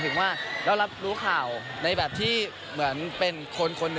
ซึ่งเจ้าตัวก็ยอมรับว่าเออก็คงจะเลี่ยงไม่ได้หรอกที่จะถูกมองว่าจับปลาสองมือ